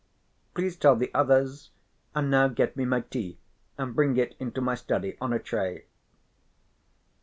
Please tell the others, and now get me my tea and bring it into my study on a tray."